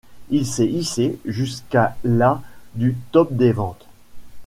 Il s'est hissé jusqu'à la du Top des ventes.